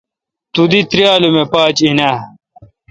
تو دی تریال ام پاچ این آں?